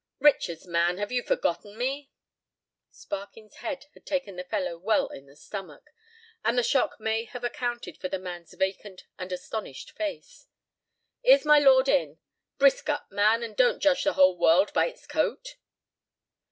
"Richards, man, have you forgotten me?" Sparkin's head had taken the fellow well in the stomach, and the shock may have accounted for the man's vacant and astonished face. "Is my lord in? Brisk up, man, and don't judge the whole world by its coat."